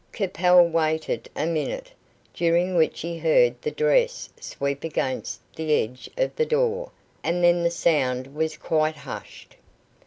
Capel waited a minute, during which he heard the dress sweep against the edge of the door, and then the sound was quite hushed.